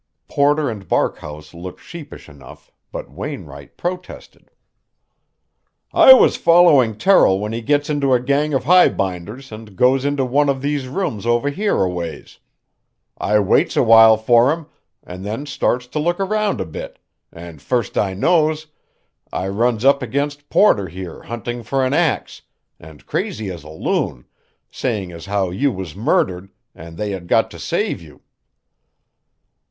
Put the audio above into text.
Porter and Barkhouse looked sheepish enough, but Wainwright protested: "I was following Terrill when he gets into a gang of highbinders, and goes into one of these rooms over here a ways. I waits a while for him, and then starts to look around a bit, and first I knows, I runs up against Porter here hunting for an ax, and crazy as a loon, saying as how you was murdered, and they had got to save you."